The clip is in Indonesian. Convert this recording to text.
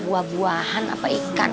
buah buahan apa ikan